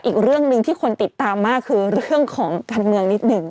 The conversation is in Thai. อีกเรื่องหนึ่งที่คนติดตามมากคือเรื่องของการเมืองนิดหนึ่ง